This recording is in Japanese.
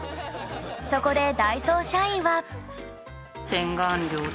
そこでダイソー社員は